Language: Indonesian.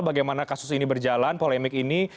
bagaimana kasus ini berjalan polemik ini